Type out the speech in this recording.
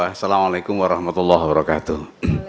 assalamu alaikum warahmatullahi wabarakatuh